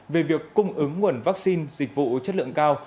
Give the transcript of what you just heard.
về việc cung ứng nguồn vaccine dịch vụ chất lượng cao